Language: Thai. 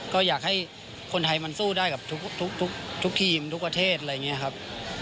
ก็อยากให้คนไทยมันสู้ได้กับทุกทีมทุกประเทศอะไรอย่างนี้ครับ